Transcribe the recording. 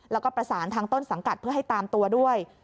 แล้วก็ประสานทางต้นสังกัดเพื่อให้ตามตัวด้วย